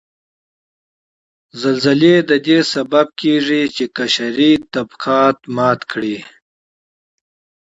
زلزلې ددې سبب کیږي چې قشري طبقات مات کړي